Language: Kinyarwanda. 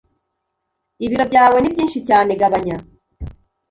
Ibiro byawe nibyinshi cyane gabanya